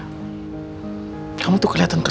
semua memang ada hubungannya dengan reina